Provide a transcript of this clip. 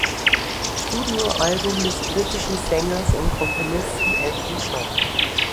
Studioalbum des britischen Sängers und Komponisten Elton John.